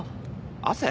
汗？